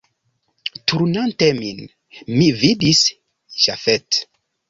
Turnante min, mi vidis Jafet.